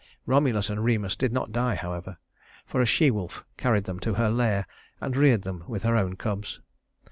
Romulus and Remus did not die, however; for a she wolf carried them to her lair and reared them with her own cubs.